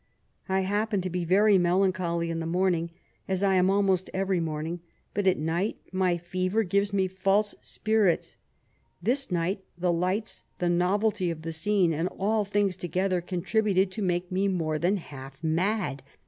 I happened to be very melancholy in the morning, as I am almost every morning, but at night my fever gives me false spirits ; this night the lights, the novelty of the scene, and all things together contributed to make me more than half mad.